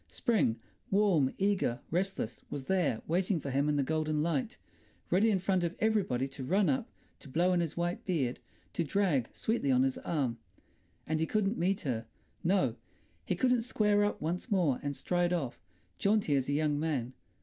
Spring—warm, eager, restless—was there, waiting for him in the golden light, ready in front of everybody to run up, to blow in his white beard, to drag sweetly on his arm. And he couldn't meet her, no; he couldn't square up once more and stride off, jaunty as a young man.